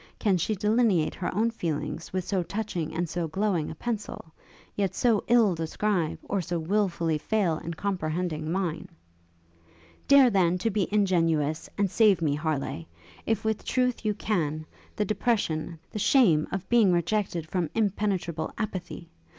Can she delineate her own feelings with so touching and so glowing a pencil, yet so ill describe, or so wilfully fail in comprehending mine?' 'Dare, then, to be ingenuous, and save me, Harleigh, if with truth you can, the depression, the shame, of being rejected from impenetrable apathy!